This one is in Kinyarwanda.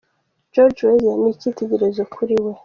George Weah ni icyitegererezo kuri we.